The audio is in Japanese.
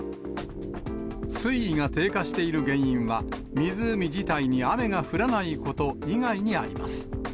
水位が低下している原因は、湖自体に雨が降らないこと以外にあります。